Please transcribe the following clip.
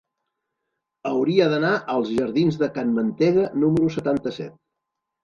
Hauria d'anar als jardins de Can Mantega número setanta-set.